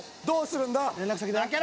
どうするんだ？